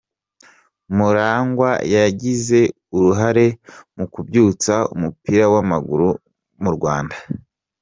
Murangwa yagize uruhare mu kubyutsa umupira w’amaguru mu Rwanda .